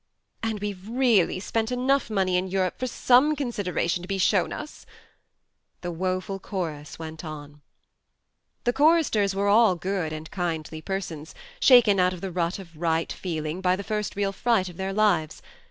..."" And we've really spent enough THE MARNE 21 money in Europe for some consideration to be shown us ..." the woeful chorus went on. The choristers were all good and kindly persons, shaken out of the rut of right feeling by the first real fright of their lives.